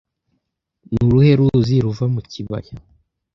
Ni uruhe ruzi ruva mu kibaya